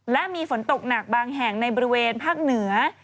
และมีฝนตกหนักบางแห่งในบริเวณภาคเหนือ